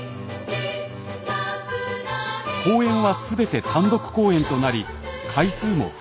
公演は全て単独公演となり回数も増えました。